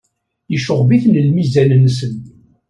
Yecɣeb-iten lmizan-nsen.